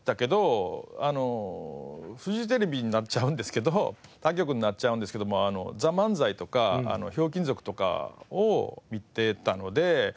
あのフジテレビになっちゃうんですけど他局になっちゃうんですけども『ＴＨＥＭＡＮＺＡＩ』とか『ひょうきん族』とかを見てたので。